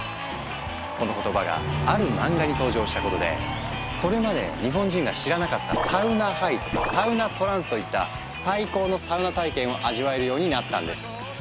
この言葉がある漫画に登場したことでそれまで日本人が知らなかった「サウナハイ」とか「サウナトランス」といった最高のサウナ体験を味わえるようになったんです。